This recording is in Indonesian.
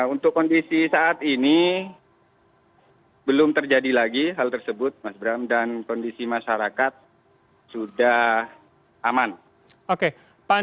untuk kondisi saat ini belum terjadi lagi hal tersebut mas bram dan kondisi masyarakat sudah aman